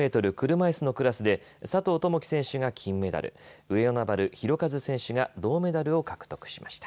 車いすのクラスで佐藤友祈選手が金メダル、上与那原寛和選手が銅メダルを獲得しました。